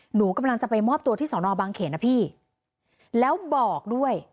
หนูกำลังจะไปมอบตัวที่สอนอบางเขนนะพี่แล้วบอกด้วย